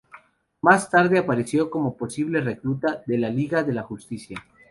Más tarde apareció como posible recluta de la Liga de la Justicia.